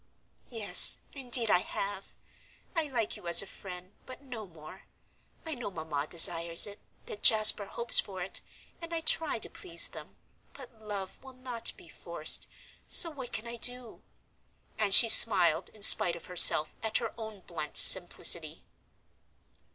"Yes, indeed I have. I like you as a friend, but no more. I know Mamma desires it, that Jasper hopes for it, and I try to please them, but love will not be forced, so what can I do?" And she smiled in spite of herself at her own blunt simplicity.